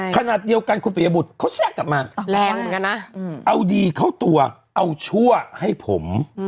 ขณะเดียวกันคุณปริยบุตรเขาแทรกกลับมาแรงเหมือนกันนะเอาดีเข้าตัวเอาชั่วให้ผม